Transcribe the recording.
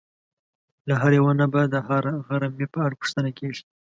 له هر یوه نه به د هغه رمې په اړه پوښتنه کېږي.